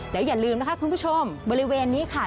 เดี๋ยวอย่าลืมนะคะคุณผู้ชมบริเวณนี้ค่ะ